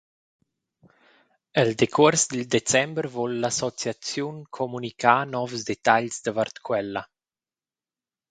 El decuors dil december vul l’associaziun communicar novs detagls davart quella.